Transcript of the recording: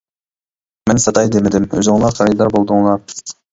مەن ساتاي دېمىدىم، ئۆزۈڭلار خېرىدار بولدۇڭلار.